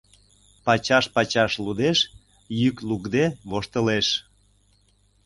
Пачаш-пачаш лудеш, йӱк лукде воштылеш.